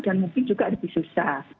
dan mungkin juga lebih susah